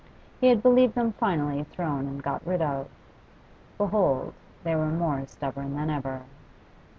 He had believed them finally thrown and got rid of. Behold, they were more stubborn than ever.